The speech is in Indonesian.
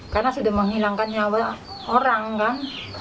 karena sudah menghilangkan nyawa orang kan